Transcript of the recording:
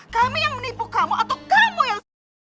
kami yang menipu kamu atau kamu yang suka